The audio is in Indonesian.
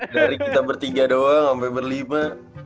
dari kita bertiga doang sampai berlima